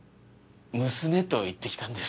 娘と行ってきたんです。